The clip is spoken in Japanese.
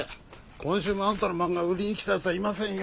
今週もあんたの漫画を売りに来たやつはいませんよ。